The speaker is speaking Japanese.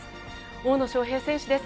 大野将平選手です。